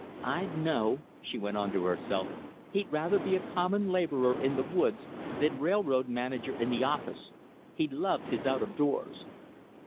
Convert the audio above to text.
"I know," she went on to herself, "he'd rather be a common laborer in the woods than railroad manager in the office. He loves his out of doors."